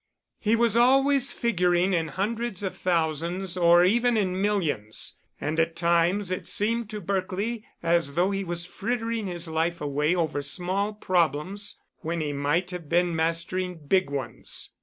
He was always figuring in hundreds of thousands or even in millions, and at times it seemed to Berkely as though he was frittering his life away over small problems when he might have been mastering big ones.